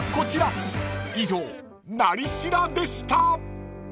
［以上「なり調」でした］